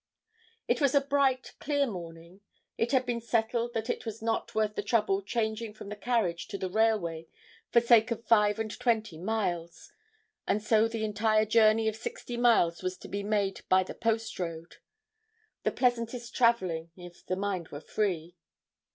It was a bright, clear morning. It had been settled that it was not worth the trouble changing from the carriage to the railway for sake of five and twenty miles, and so the entire journey of sixty miles was to be made by the post road the pleasantest travelling, if the mind were free.